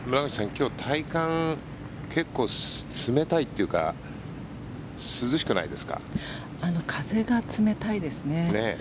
今日、体感結構冷たいっていうか風が冷たいですね。